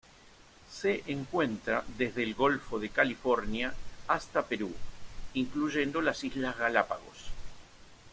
Se encuentra desde el golfo de California hasta Perú, incluyendo las islas Galápagos.